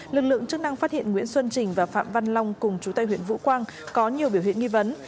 lực lượng chức năng phát hiện nguyễn xuân trình và phạm văn long cùng chú tây huyện vũ quang có nhiều biểu hiện nghi vấn